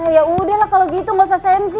yaudah lah kalo gitu gak usah sensi